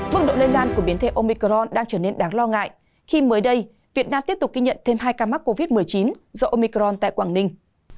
mức độ lây lan của biến thể omicron đang trở nên đáng lo ngại khi mới đây việt nam tiếp tục ghi nhận thêm hai ca mắc covid một mươi chín do omicron tại quảng ninh